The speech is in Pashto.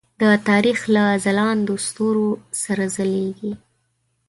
د تاریخ له ځلاندو ستورو سره ځلیږي.